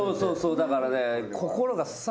だからね。